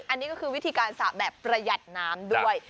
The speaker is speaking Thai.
อันนี้ก็คือวิธีการสระแบบประหยัดน้ำด้วย